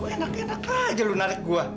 lu enak enak aja lu narik gua